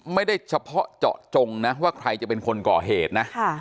ไม่ได้เฉพาะเจาะจงนะว่าใครจะเป็นคนก่อเหตุนะ